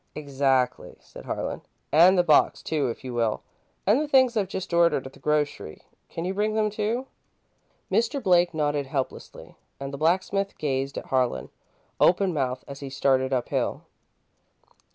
"Exactly," said Harlan, "and the box, too, if you will. And the things I've just ordered at the grocery can you bring them, too?" Mr. Blake nodded helplessly, and the blacksmith gazed at Harlan, open mouthed, as he started uphill.